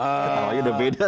kalau ya udah beda